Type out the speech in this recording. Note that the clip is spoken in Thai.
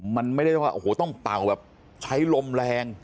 มันไม่ได้ต้องเป่าแบบใช้ลมแรง